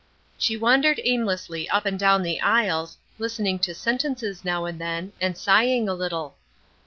She wandered aimlessly up and down the aisles, listening to sentences now and then, and sighing a little.